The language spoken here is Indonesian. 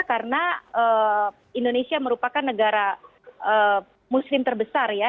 karena indonesia merupakan negara muslim terbesar ya